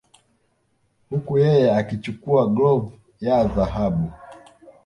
Huku yeye akichukua glov ya dhahabu